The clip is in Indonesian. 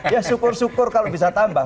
ya syukur syukur kalau bisa tambah